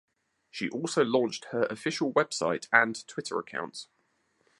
She also launched her official website and Twitter account.